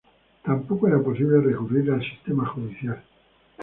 Tampoco era posible recurrir al sistema judicial.